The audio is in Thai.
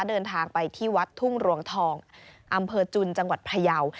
เดินทางไปที่วัดทุ่งรวงทองอำเภอจุนจังหวัดพยาว